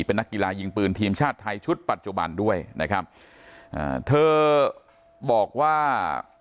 เป็นนักกีฬายิงปืนทีมชาติไทยชุดปัจจุบันด้วยนะครับอ่าเธอบอกว่า